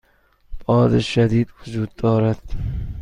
باد شدید وجود دارد.